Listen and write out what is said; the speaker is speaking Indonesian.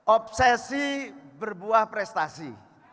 obsesi berbuah prestasi